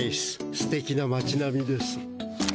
すてきな町なみです。